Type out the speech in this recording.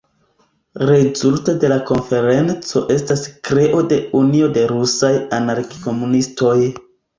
Rezulto de la konferenco estas kreo de "Unio de rusaj anarki-komunistoj".